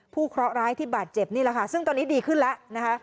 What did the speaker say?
เคราะหร้ายที่บาดเจ็บนี่แหละค่ะซึ่งตอนนี้ดีขึ้นแล้วนะคะ